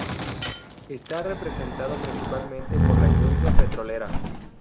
Está representado principalmente por la industria petrolera.